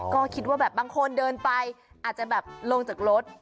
ก็คิดว่าแบบบางคนเดินไปอาจจะแบบลงจากรถ